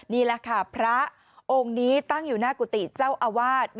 นี่แหละค่ะพระองค์นี้ตั้งอยู่หน้ากุฏิเจ้าอาวาส